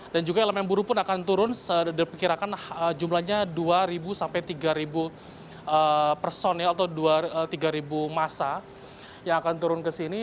dan juga elemen buru pun akan turun diperkirakan jumlahnya dua sampai tiga person ya atau tiga masa yang akan turun ke sini